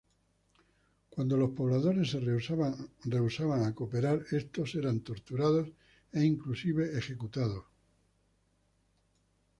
Cuando los pobladores se rehusaban a cooperar estos eran torturados e inclusive ejecutados.